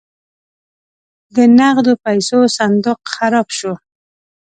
د نغدو پیسو صندوق خراب شو.